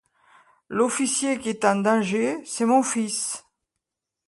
L’officier qui est en danger, c’est mon fils.